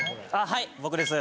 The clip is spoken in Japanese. はい僕です。